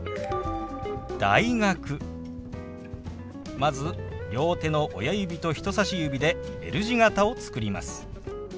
まず両手の親指と人さし指でＬ字形を作ります。